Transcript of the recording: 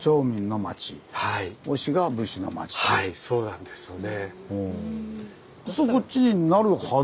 はいそうなんですよね。